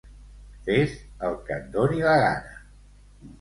Fes el que et doni la gana.